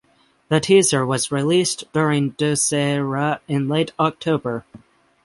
The teaser was released during Dussehra in late October.